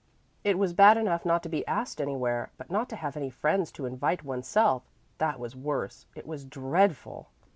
It was bad enough not to be asked anywhere, but not to have any friends to invite oneself, that was worse it was dreadful!